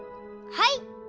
はい！